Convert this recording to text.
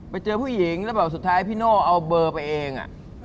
ไปเจอผู้หญิงแล้วแบบสุดท้ายพี่โน่เอาเบอร์ไปเอง